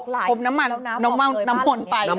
๕๖ลักพร้อมน้ำมันน้ำมนต์ไป